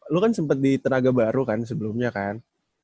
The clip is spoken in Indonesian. lu kan sempat di tenaga baru kan sebelumnya kan